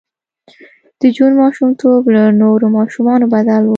د جون ماشومتوب له نورو ماشومانو بدل و